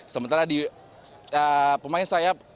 sementara di pemain sayap